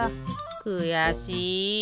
くやしい。